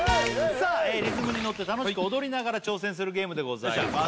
さあリズムにのって楽しく踊りながら挑戦するゲームでございます